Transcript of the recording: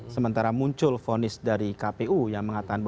sementara muncul fonis dari kpu yang mengatakan